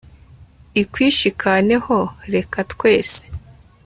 ikwishikaneho, +r, eka twese